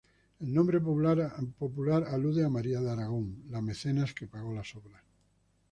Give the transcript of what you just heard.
El nombre popular alude a María de Aragón, la mecenas que pagó las obras.